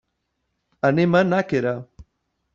Anem a Nàquera.